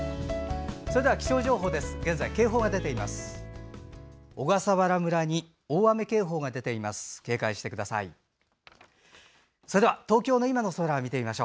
それでは気象情報です。